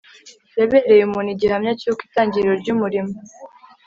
Yabereye umuntu igihamya cyuko itangiriro ryumurimo